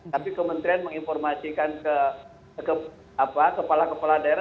tapi kementerian menginformasikan ke kepala kepala daerah